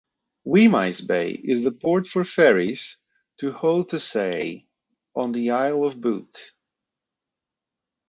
Wemyss Bay is the port for ferries to Rothesay on the Isle of Bute.